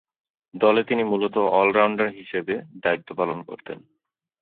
দলে তিনি মূলতঃ অল-রাউন্ডার হিসেবে দায়িত্ব পালন করতেন।